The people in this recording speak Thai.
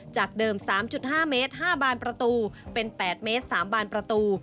จากเดิม๓๕เมตร๕บานประตูเป็น๘เมตร๓บานประตู